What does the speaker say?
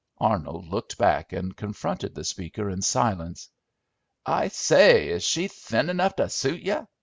Arnold turned back and confronted the speaker in silence. "I say! Is she thin 'nough to suit you?"